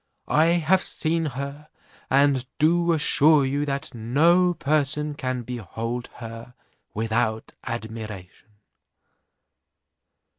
I have seen her, and do assure you, that no person can behold her without admiration."